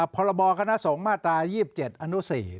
พรบคณะสงฆ์มาตรา๒๗อนุ๔